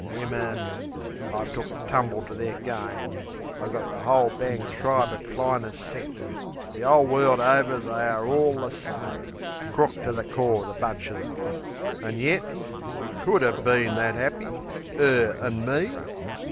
Wimmin! I've took a tumble to their game. I've got the 'ole bang tribe o' cliners set! The 'ole world over they are all the same: Crook to the core the bunch of 'em an' yet We could 'a' been that 'appy, 'er an' me...